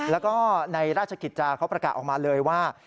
แล้วก็ในราชกิจจาเขาประกาศออกมาเลยว่า